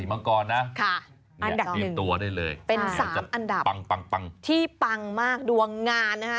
อันดับ๑เป็น๓อันดับที่ปังมากดวงงานนะฮะ